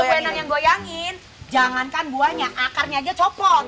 kalau wenang yang goyangin jangankan buahnya akarnya aja copot